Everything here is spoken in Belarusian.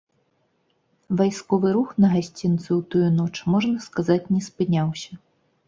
Вайсковы рух на гасцінцы ў тую ноч, можна сказаць, не спыняўся.